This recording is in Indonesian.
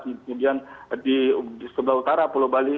kemudian di sebelah utara pulau bali